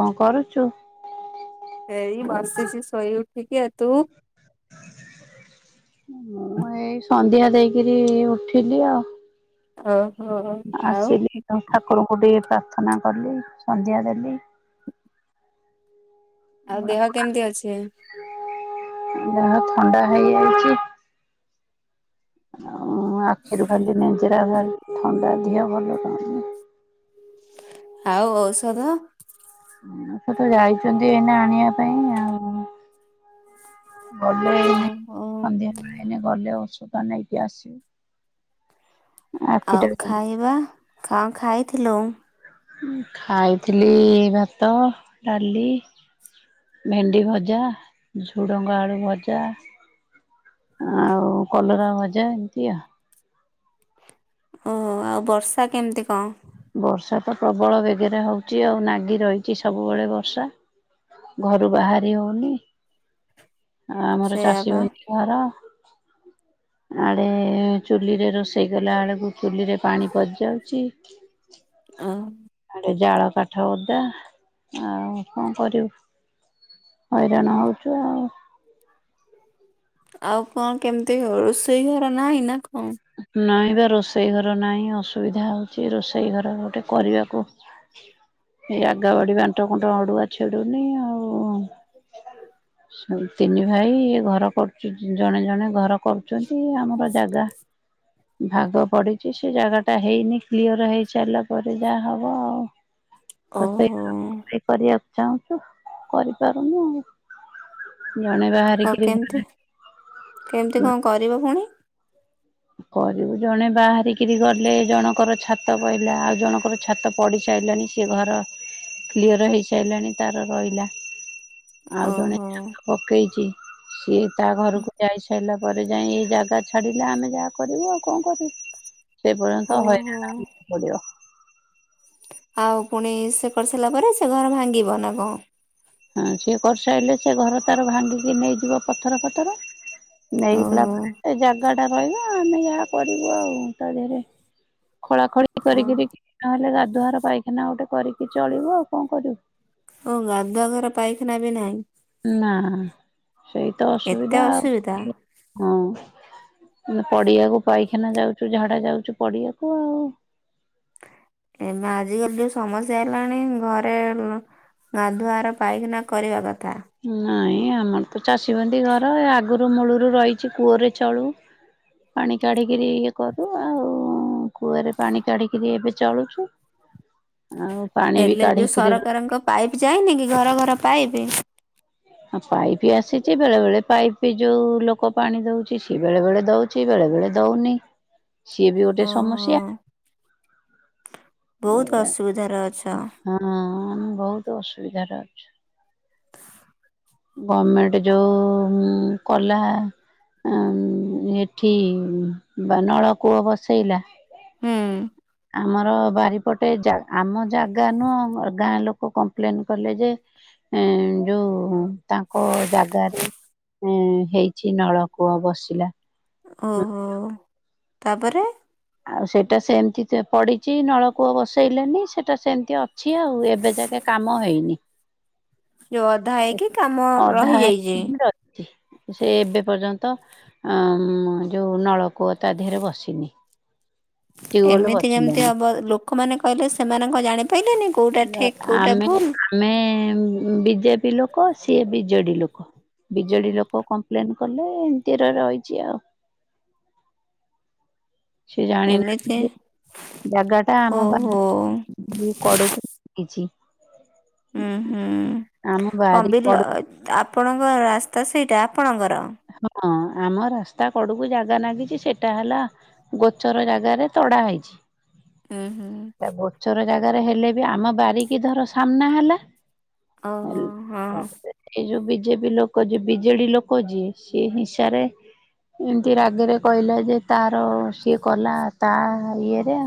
କଣ କରୁଛୁ? ଏଇ ବସିଛି ଶୋଇ ଉଠିକି ଆଉ ତୁ? ମୁଁ ଏଇ ସନ୍ଧ୍ୟା ଦେଇକିରି ଉଠିଲି ଆଉ। ଓହୋ ଆଉ। ଆସିଲି ଠାକୁରଙ୍କୁ ଟିକେ ପ୍ରାର୍ଥନା କଲି ସନ୍ଧ୍ୟା ଦେଲି। ଆଉ ଦେହ କେମିତି ଅଛି? ଦେହ ଥଣ୍ଡା ହେଇଯାଇଛି। ଆଉ ଆଖିରୁ ଖାଲି ନେଜେରା ଥଣ୍ଡା ଦେହ ଭଲ କ ଆଉ ଔଷଧ? ସେ ତ ଯାଇଛନ୍ତି ଏଇନା ଆଣିବା ପାଇଁ ଆଉ ଗଲେ ଏଇନେ ଓହୋ ସନ୍ଧ୍ୟାବେଳେ ଗଲେ ଔଷଧ ନେଇକି ଆସିବୁ। ଆଉ ଆଖିଟାକୁ ଖାଇବା କଣ ଖାଇଥିଲୁ? ଖାଇଥିଲି ଭାତ ଡାଲି ଭେଣ୍ଡି ଭଜା ଝୁଡଙ୍ଗା ଆଳୁ ଭଜା। ଆଉ କଲରା ଭଜା ଏମିତି ଆଉ ଓହୋ ଆଉ ବର୍ଷା କେମିତି କଣ? ବର୍ଷା ତ ପ୍ରବଳ ବେଗରେ ହଉଛି ଆଉ ନାଗି ରହିଛି ସବୁବେଳେ ବର୍ଷା। ଘରୁ ବାହାରି ହଉନି। ଆ ଆମର ସେଇଆ ଚାଷୀ ପା ବାସୀ ଘର। ଆଡେ ଚୁଲିରେ ରୋଷେଇ ଗଲା ବେଳକୁ ଚୁଲି ରେ ପାଣି ପସିଯାଉଛି। ଓ [unintelligible] କାଠ ଓଦା ଆଉ କଣ କରିବୁ ହଇରାଣ ହେଉଛୁ ଆଉ। ଆଉ କଣ କେମିତି ରୋଷେଇ ଘର ନାହିଁ ନା କଣ? ନାଇଁ ବା ରୋଷେଇ ଘର ନାହିଁ ଅସୁବିଧା ହଉଛି ରୋଷେଇ ଘର ଗୋଟେ କରିବାକୁ ଏଇ ଜଗା ବାଡି ବାଣ୍ଟ କୁଣ୍ଟ ଅଡୁଆ ଛିଡୁନି ଆଉ ତିନି ଭାଇ ଘର କରୁଛି ଜଣେ ଜଣେ ଘର କରୁଛନ୍ତି ଆମର ଜାଗା ଭାଗ ପଡିଛି ସେ ଜାଗା ଟା ହେଇନି କ୍ଲିଅର ହେଇ ସାରିଲା ପରେ ଯାହା ହବ ଆଉ। ତ ଓହୋ ସେଇ କରିବାକୁ ଚାହୁଁଛୁ କରିପାରୁନୁ ଆଉ। ଜଣେଇବା ଓ କେମିତି କେମିତି କଣ କରିବ ପୁଣି? କରିବୁ ଜଣେ ବାହାରିକିରି ଗଲେ ଜଣଙ୍କର ଛାତ ପଡ଼ିଲା ଆଉ ଜଣଙ୍କର ଛାତ ପଡ଼ି ସାରିଲାଣି ସେ ଘର କ୍ଲିଅର ହେଇସାରିଲାଣି ତାର ରହିଲା ଆଉ ଜଣେ ଓହୋ ପକେଇଛି ସିଏ ତା ଘରକୁ ଯାଇ ସାରିଲା ପରେ ଯାଇ ଏଇ ଜାଗା ଛାଡିଲେ ଆମେ ଯାହା କରିବୁ ଆଉ କଣ କରିବୁ ସେ ପର୍ଯ୍ୟନ୍ତ ଓହୋ ହଇରାଣ ହବାକୁ ପଡିବ। ଆଉ ପୁଣି ସେ କରିସାରିଲା ପରେ ସେ ଘର ଭାଙ୍ଗିବ ନା କଣ? ହଁ ସିଏ କରିସାରିଲେ ସେ ଘର ତାର ଭାଙ୍ଗିକି ନେଇଯିବ ପଥର ଫଥର ନେଇଗଲା ଓହୋ ପରେ ଏ ଜାଗାଟା ରହିବ ଆମେ ଯା କରିବୁ ଆଉ ତା ଦେହରେ ଖୋଳାଖୋଳି ଓ କରିକିରି ନହେଲେ ଗାଧୁଆ ଘର ପାଇଖାନା ଗୋଟେ କରିକି ଚଳିବୁ ଆଉ କଣ କରିବୁ। ହଁ ଗାଧୁଆଘର ପାଇଖାନା ବି ନାହିଁ। ନା ସେଇ ତ ଅସୁବିଧା ଆଉ ହଁ ପଡ଼ିଆକୁ ପାଇଖାନା ଯାଉଛୁ ଝାଡା ଯାଉଛୁ ପଡ଼ିଆକୁ ଆଉ। ଏବେ ଆଜିକାଲି ଯେଉଁ ସମସ୍ୟା ହେଲାଣି ଘରେ ଲୋ ଗାଧୁଆଘର ପାଇଖାନା କରିବା କଥା ନାଇଁ ଆମର ତ ଚାଷୀ ବଣ୍ଡି ଘର ଆଗରୁ ମୂଳରୁ ରହିଛି କୂଅରେ ଚଳୁ ପାଣି କାଢ଼ିକିରି ଇଏ କରୁ ଆଉ କୂରେ ପାଣି କାଢ଼ିକିରି ଏବେ ଚଳୁଛୁ ଆଉ ପାଣି ବି ହେଲେ ଯୋଉ କାଢ଼ିକିରି ସରକାରଙ୍କ ପାଇପ୍ ଯାଇନି କି ଘର ଘର ପାଇପ୍? ହଁ ପାଇପ୍ ଆସିଛି ବେଳେ ବେଳେ ପାଇପ୍ ଯୋଉ ଲୋକ ପାଣି ଦଉଛି ସିଏ ବେଳେ ବେଳେ ଦଉଛି ଛି ବେଳେ ବେଳେ ଦଉନି। ସିଏ ବି ଗୋଟେ ଓହୋ ସମସ୍ୟା ବହୁତ ଏୟା। ଅସୁବିଧାରେ ଅଛ ହଁ ଆମେ ବହୁତ ଅସୁବିଧାରେ ଅଛୁ। ଗମେଣ୍ଟ ଯୋଉ ହୁଁ କଲା ଉଁ ଏଠି ବା ନଳକୂଅ ବସେଇଲା ହୁଁ ଆମର ବାରିପଟେ ଯା ଆମ ଜାଗା ନୁହଁ ଗାଁ ଲୋକ କମ୍ପ୍ଲେନ କଲେ ଯେ ଏ ଯୋଉ ତାଙ୍କ ଜାଗାରେ ଏଁ ହେଇଛି ନଳକୂଅ ବସିଲା। ଓହୋ ତାପରେ ଆଉ ସେଇଟା ସେମିତି ପଡିଛି ନଳକୂଅ ବସେଇଲେନି ସେଟା ସେମିତି ଅ ଅଛି ଆଉ ଏବେ ଯାକେ କାମ ହେଇନି। ଯୋଉ ଅଧା ହେଇକି କାମ ଅଧା ରହିଯାଇଛି? ହେଇକି ସେ ଏବେ ପର୍ଯ୍ୟନ୍ତ ଅ ମ୍ ଯୋଉ ନଳକୂଅ ତା ଦେହରେ ବ ବସିନି। ଟ୍ୟୁବଲ ଏମିତି କେମିତି ବସିଲାନି। ହବ ଲୋକମାନେ କହିଲେ ସେମାନ କଣ ଜାଣିପାରିଲେନି କୋଉଟା ଠିକ୍ କୋଉଟା ଆମେ ଭୁଲ? ଆମେ ବିଜେପି ଲୋକ ସିଏ ବିଜେଡ଼ି ଲୋକ। ବିଜେଡ଼ି ଲୋକ କମ୍ପ୍ଲେନ୍ କଲେ ଏମିତିରେ ରହିଛି ଆଉ। ସେ ଜାଣିନାନ୍ତି ଏମିତି ଯେ ଜାଗା ଟା ଆମ ଓହୋ ପାଇଁ ମୁ କଡ଼କୁ ହେଇଛି। ଉଁ ହୁଁ ବାରି କଣ କଡ ବିଲ ଆପଣଙ୍କ ରାସ୍ତା ସେଇଟା ଆପଣଙ୍କର? ହଁ ଆମ ରାସ୍ତା କଡୁକୁ ଜାଗା ଲାଗିଛି ସେଟା ହେଲା ଗୋଚର ଜାଗାରେ ତଡ଼ା ହେଇଛି। ଉଁ। ଗୋଚର ଜାଗାରେ ହେଲେ ବି ଆମ ବାରିକି ଧର ସାମ୍ନା ହେଲା। ଓହୋ ହଁ ଏଇ ଯୋଉ ବିଜେପି ଲୋକ ଯୋଉ ବିଜେଡି ଲୋକ ଯିଏ। ସିଏ ହିଂସାରେ ଏମିତି ରାଗରେ କହିଲା ଯେ ତାର ସିଏ କଲା ତା ଇଏରେ।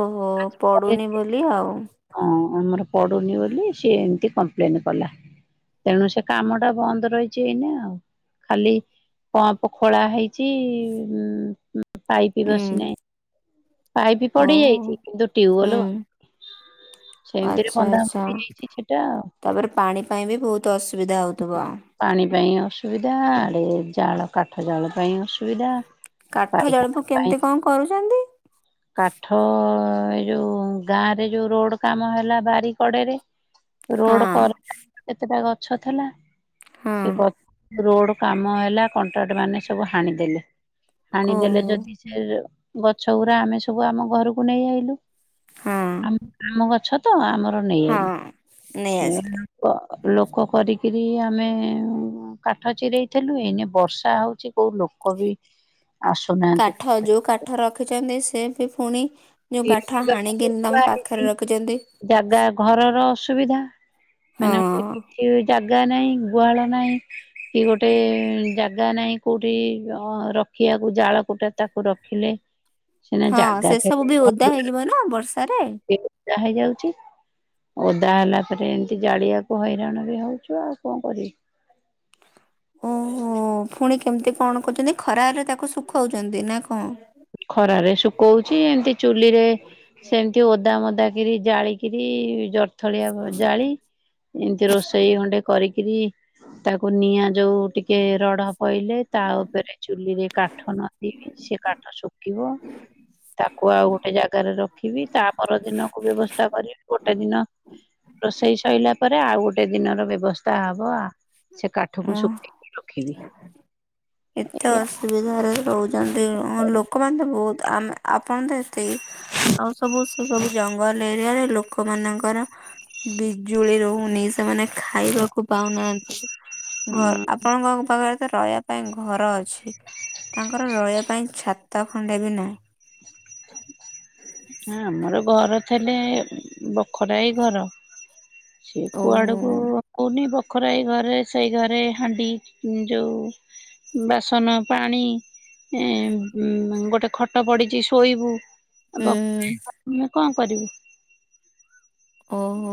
ଓହୋ ପଡୁନି ବୋଲି ଆଉ। ଓହୋ ପଡୁନି ବୋଲି ସିଏ ଏମିତି କମ୍ପ୍ଲେନ୍ କଲା। ତେଣୁ ସେ କାମ ଟା ବନ୍ଦ ରହିଛି ଏଇନା ଆଉ। ଖାଲି ପମ୍ପ ଖୋଳା ହେଇଛି ଉଁ ପାଇପ୍ ହୁଁ ବସିନାହିଁ। ପାଇପ ପଡି ଓହୋ ଯାଇଛି କିନ୍ତୁ ହୁଁ ଟିୱଲ ବସିନି। ଆଚ୍ଛା ଆଛା ତାପରେ ପାଣି ପାଇଁ ବି ବହୁତ ଅସୁବିଧା ହୋଉଥିବ। ପାଣି ପାଇଁ ଅସୁବିଧା ଆଡେ ଜାଳ କାଠ ଜାଳ ପାଇଁ ଅସୁବିଧା। କାଠ ପାଇଖାନା ଜାଳକୁ ପାଇଁ କେମିତି କଣ କରୁଚନ୍ତି। କାଠ ଏ ଯୋଉ ଗାଁ ରେ ଯୋଉ ରୋଡ କାମ ହେଲା ବାରି କଡେରେ ହଁ ରୋଡ କରରେ କେତେଟା ଗଛ ଥିଲା ହଁ ସେ ଗଛ ରୋଡ କାମ ହେଲା କଣ୍ଟ୍ରାକ୍ଟମାନେ ସବୁ ହାଣିଦେଲେ ହାଣିଦେଲେ ଓହୋ ଯଦି ସେ ଗଛ ଗୁରା ଆମେ ସବୁ ଆମ ଘରକୁ ନେଇ ଆଇଲୁ। ହଁ ଆମ ଗଛ ତ ଆମର ନେଇ ଆଇଲୁ ହଁ ନେଇ ସେ ଆସିଲେ କ ଲୋକ କରିକିରି ଆମେ କାଠ ଚିରେଇଥିଲୁ ଏଇନେ ବର୍ଷା ହୋଉଛି କୋଉ ଲୋକ ବି ଆସୁ କାଠ ଯୋଉ କାଠ ରଖିଛନ୍ତି ସେ ବି ପୁଣି ଯୋଉ କାଠ ହାଣିକିନି ତମ ପାଖରେ ରଖିଚନ୍ତି। ଜାଗା ଘରର ଅସୁବିଧା ହଁ ମାନେ ଟିକେ ଜାଗା ନାହିଁ ଗୁହାଳ ନାହିଁ। କି ଗୋଟେ ଜାଗା ନାହିଁ କୋଉଠି ଅ ରଖିବାକୁ ଜାଳ କୁଟା ତାକୁ ରଖିଲେ ସିନା ହଁ ଜାଗା ସେ ସବୁ ବି ଓଦା ହେଇଯିବ ନା ବର୍ଷାରେ। ସିଏ ଓଦା ହେଇଯାଉଚି। ଓଦା ହେଲା ପରେ ଏମିତି ଜାଳିଆକୁ ହଇରାଣ ବି ହୋଉଛୁ ଆଉ କଣ କରିବୁ। ଓ ହୋ ଫୁଣି କେମିତି କଣ କରୁଚନ୍ତି ଖରାରେ ତାକୁ ଶୁଖୋଉଚନ୍ତି ନା କଣ? ଖରାରେ ଶୁକୋଉଚି ଏମିତି ଚୁଲିରେ ସେମିତି ଓଦା ମଦା କି ରି ଜାଳିକିରି ଜରିଥଳିଆ ଜାଳି ଏମିତି ରୋଷେଇ ଗଣ୍ଡେ କରିକିରି ତାକୁ ନିଆଁ ଯୋଉ ଟିକେ ରଡ ପଇଲେ ତା ଉପରେ ଚୁଲିରେ କାଠ ନ ଥିବି ସେ କାଠ ଶୁଖିବ ତାକୁ ଆଉ ଗୋଟେ ଜାଗାରେ ରଖିବି ତା ପର ଦିନକୁ ବ୍ୟବସ୍ଥା କରିବି ଗୋଟେ ଦିନ ରୋଷେଇ ସଇଲା ପରେ ଆଉ ଗୋଟେ ଦିନର ବ୍ୟବସ୍ଥା ତା ହବ ସେ ଓ କାଠକୁ ଶୁଖେଇକି ରଖିବି। ଏତେ ଏଇଆ। ଅସୁବିଧାରେ ରହୁଚନ୍ତି ଅ ଲୋକ ଲୋକମାନେ ତ ବହୁତ ଆମେ ଆପଣ ତ ଏତିକି ଆଉ ସବୁ ସେ ସବୁ ଜଙ୍ଗଲ ଏରିଆରେ ଲୋକ ମାନଙ୍କର ବିଜୁଳି ରହୁନି ସେମାନେ ଖାଇବାକୁ କୁ ପାଉନାହାଁନ୍ତି ହୁଁ ଘର ଆପଣଙ୍କ ପାଖରେ ରହିବା ପାଇଁ ଘର ଅଛି ତାଙ୍କର ରହିବା ପାଇଁ ଛାତ ଖଣ୍ଡେ ବି ନାହିଁ। ହ ଆମର ଘର ଥିଲେ ବଖରାଏ ଘର। ସିଏ କୁଆଡକୁ ଓହୋ କହୁନି ବ ବଖରାଇ ଘରେ ସେଇ ଘରେ ହାଣ୍ଡି ଯୋଉ ବାସନ ପାଣି ଏ ଉଁ ଗୋଟେ ଖଟ ପଡିଛି ଶୋଇବୁ ହୁଁ ବ ମାନେ କଣ କରିବୁ। ଓହୋ।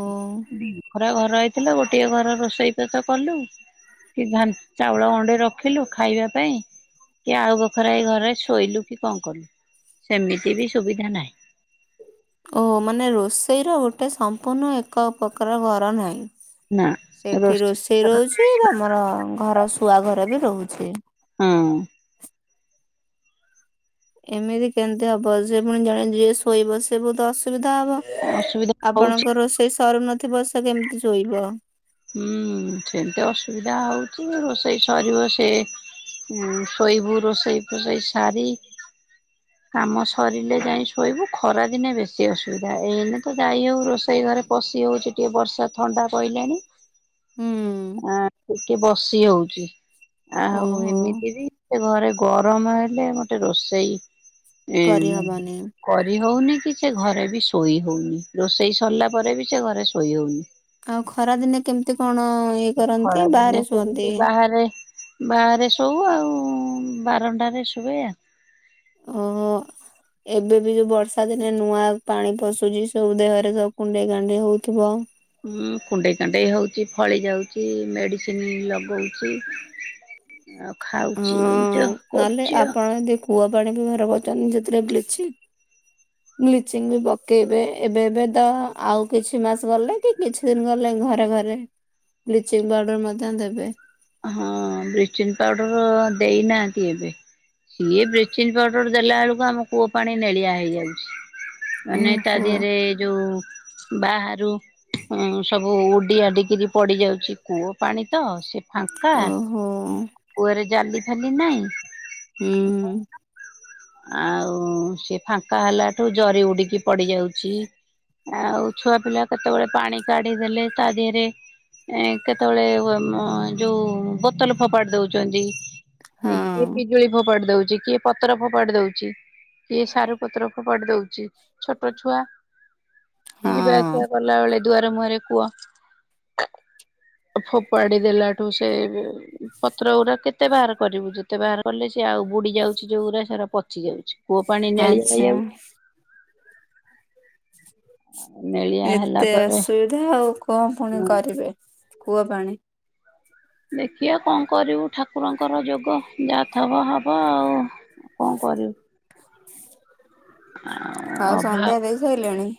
ଦି ବଖରା ଘର ହେଇଥିଲେ ଗୋଟିଏ ଘର ରୋଷେଇବାସ କଲୁ। କି ଧାନ, ଚାଉଳ ଗଣ୍ଡେ ରଖିଲୁ ଖାଇବା ପାଇଁ। କି ଆଉ ବଖରାରେ ଘରେ ଶୋଇଲୁ କି କଣ କଲୁ ସେମିତି ବି ସୁବିଧା ନାହିଁ। ଓ ମାନେ ରୋଷେଇର ଗୋଟେ ସମ୍ପୂର୍ଣ୍ଣ ଏକ ପ୍ରକାର ଘର ନାହିଁ। ନା ସେଠି ରୋଷେଇ ରହୁଛି ତମର ଘର ଶୁଆ ଘର ବି ରହୁଛି। ହୁଁ। ଏମିତି କେମତି ହବ ଯେ ପୁଣି ଜଣେ ଯିଏ ଶୋଇବ ସେ ବହୁତ ଅସୁବିଧା ହବ। ଅସୁବିଧା ହଉଛି। ଆପଣଙ୍କ ରୋଷେଇ ସରୁନଥିବ ସେ କେମିତି ଶୋଇବ। ହୁଁ ସେମିତି ଅସୁବିଧା ହଉଛି ରୋଷେଇ ସରିବ ସେ ଉ ଶୋଇବୁ ରୋଷେଇ ଫୋସେଇ ସାରି କାମ ସରିଲେ ଯାଇ ଶୋଇବୁ ଖରା ଦିନେ ବେଶୀ ଅସୁବିଧା ଏଇନେ ତ ଯାଇ ହଉ ରୋ ରୋଷେଇ ଘରେ ପଶି ହଉଛି ଟିକେ ବର୍ଷା ଥଣ୍ଡା ପଇଲାଣି। ହୁଁ ଆ ଟିକେ ବସି ହଉଛି ଆଉ ଓହୋ। ଏମିତି ବି ଘରେ ଗରମ ହେଲେ ମୋଟେ ରୋଷେଇ ଏମ୍ କରିହବନି କରି ହଉନି କି ସେ ଘରେ ବି ଶୋଇ ହଉନି। ରୋଷେଇ ସରିଲା ପରେ ବି ସେ ଘରେ ଶୋଇ ହଉନି। ଆଉ ଖରା ଦିନେ କେମିତି କଣ ଇଏ କରନ୍ତି ବାହାରେ ଶୁଅନ୍ତି? ଘରେ ବାହାରେ ଶୋଉ ଆଉ ବାରଣ୍ଡାରେ ସୁଏ। ଓହୋ ହ ଏବେ ବି ଯୋଉ ବର୍ଷା ଦିନେ ନୂଆ ପାଣି ପଶୁଛି ସବୁ ଦେହରେ ସବୁ କୁଣ୍ଡେଇ କାଣ୍ଡେଇ ହଉଥିବ। ହୁଁ କୁଣ୍ଡେଇ କାଣ୍ଡେଇ ହଉଛି ଫଳି ଯାଉଛି ମେଡିସିନ ଲଗଉଛି। ଆଉ ଖାଉଛି ହଁ ଏମିତି ନହେଲେ କରୁଛି ଆଉ। ଆପଣ ଯଦି କୂଅ ପାଣି ବ୍ଯବହାର କରୁଛନ୍ତି ସେତେବେଳେ ବ୍ଲିଚିଂ ହ ବ୍ଲିଚିଂ ବି ପକେଇବେ ଏବେ ଏବେ ତ ଆଉ କିଛି ମାସ ଗଲେ କି କିଛି ସେ ଦିନ ଗଲେ ଘରେ ଘରେ ବ୍ଲିଚିଙ୍ଗ ପାଉଡର ମଧ୍ୟ ଦେବେ। ହଁ ବ୍ଲିଚିଂ ପାଉଡର ଦେଇନାହାନ୍ତି ଏବେ। ସିଏ ବ୍ଲିଚିଂ ପାଉଡର ଦେଲା ବେଳକୁ ଆମ କୂଅ ପାଣି ନେଳିଆ ହେଇଯାଉଛି। ମାନେ ତା ଓହୋ ଦେହରେ ଯୋଉ ବାହାରୁ ଉଁ ସବୁ ଉଡିଆଡିକିରି ପଡି ଯାଉଛି କୂଅ ପାଣି ତ ସେ ଫାଙ୍କା ଓହୋ କୁଅରେ ଜାଲି ଫାଲି ନାହିଁ? ହୁଁ। ଆଉ ସେ ଫାଙ୍କା ହେଲାଠୁ ଜରି ଉଡିକି ପଡି ଯାଉଛି। ଆଉ ଛୁଆ ପିଲା କେତେବେଳେ ପାଣି କାଢିଦେଲେ ତା ଦେହରେ ଏ କେତେବେଳେ ମ ଯୋଉ ବୋତଲ ଫୋପାଡି ଦଉଛନ୍ତି। କିଏ ହଁ। ପିଜୁଳି ଫୋପାଡି ଦଉଛି କିଏ ପତ୍ର ଫୋପାଡି ଦଉଛି। କିଏ ସାରୁ ପତ୍ର ଫୋପାଡି ଦଉଛି ଛୋଟ ଛୁଆ ଯିବା ହଁ ଆସିବା ଲା ବେଳେ ଦୁଆର ମୁହଁରେ କୁଅ। ଫୋପଡି ଦେଲାଠୁ ସେ ପତ୍ର ଗୁଡା କେତେ ବାହାର କରିବୁ ଯେତେ ବାହାର କଲେ ସିଏ ଆଉ ବୁଡି ଯାଉଛି ଯୋଉଗୁଡା ସେରା ପଚି କୂଅ ପାଣି ନେଳି ଆଚ୍ଛା [unintelligible] ନେଳିଆ ହେଲା ଏତେ ପରେ ଅସୁବିଧା ଆଉ କଣ ପୁଣି କରିବି କୂଅ ପାଣି। ଦେଖିବା କଣ କରିବୁ ଠାକୁରଙ୍କର ଯୋଗ ଯାହା ଧବ ହବ ଆଉ। କଣ କରିବୁ। ଆଉ ସନ୍ଧ୍ୟା ଦେଇ ସାଇଲଣି।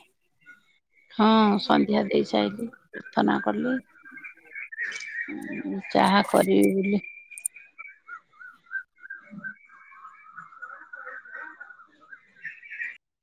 ହଁ ସନ୍ଧ୍ୟା ଦେଇ ସାଇଲି। ପ୍ରାର୍ଥନା କଲି। ଚାହା କରିବି ବୋଲି [inaudible]